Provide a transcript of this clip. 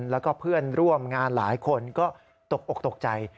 แล้วก็เพื่อนร่วมงานหลายคนก็ตกอกตกใจ